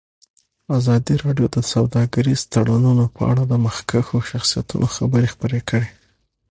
ازادي راډیو د سوداګریز تړونونه په اړه د مخکښو شخصیتونو خبرې خپرې کړي.